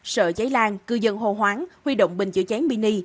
sợ cháy lan cư dân hồ hoáng huy động bình chữa cháy mini